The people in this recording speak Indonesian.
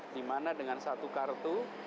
dimana dengan satu kartu